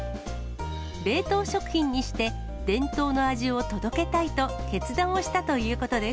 冷凍食品にして、伝統の味を届けたいと、決断をしたということで